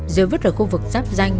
rồi vứt ở khu vực sắp danh